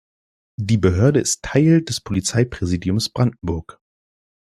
Die Behörde ist Teil des Polizeipräsidiums Brandenburg.